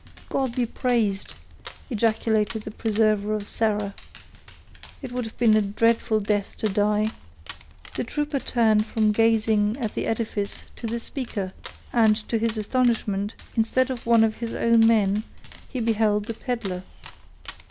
"God be praised!" ejaculated the preserver of Sarah. "It would have been a dreadful death to die." The trooper turned from gazing at the edifice, to the speaker, and to his astonishment, instead of one of his own men, he beheld the peddler.